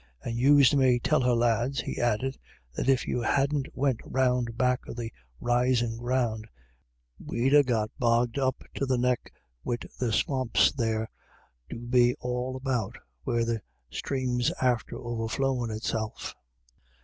" And yous may tell her, lads," he added, " that if we hadn't went round back of the risin' ground, we'd ha' got bogged up to the neck wid the swamps there do be all about where the sthrame's after over flowin' itself.